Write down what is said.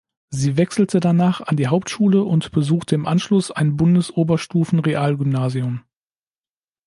Sie wechselte danach an die Hauptschule und besuchte im Anschluss ein Bundes-Oberstufenrealgymnasium.